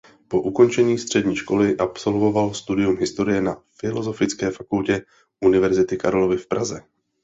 Po ukončení střední školy absolvoval studium historie na Filozofické fakultě Univerzity Karlovy v Praze.